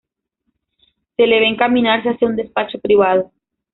Se le ve encaminarse hacia un despacho privado.